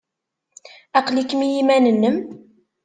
Aql-ikem i yiman-nnem?